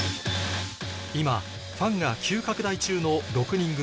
今ファンが急拡大中の６人組